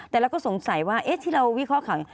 แต่เราก็สงสัยว่าที่เราวิเคราะห์ข่าว